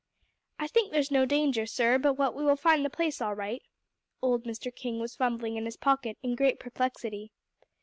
"I think there's no danger, sir, but what we will find the place all right." Old Mr. King was fumbling in his pocket in great perplexity.